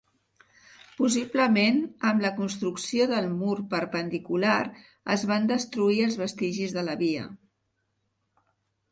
Possiblement, amb la construcció del mur perpendicular es van destruir els vestigis de la via.